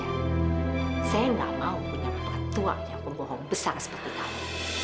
saya tidak mau punya bantuan yang membohong besar seperti kamu